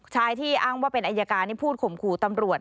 ชายที่อ้างว่าเป็นอายการพูดข่มครูตำรวจ